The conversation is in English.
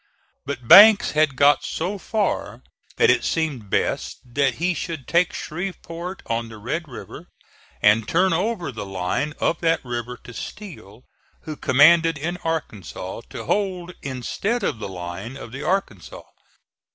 But Banks had got so far that it seemed best that he should take Shreveport on the Red River, and turn over the line of that river to Steele, who commanded in Arkansas, to hold instead of the line of the Arkansas.